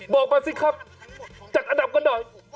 บอกมาสิครับจัดอันดับกันหน่อย